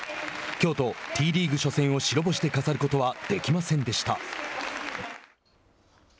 京都、Ｔリーグ初戦を白星で飾ることはできませんでした。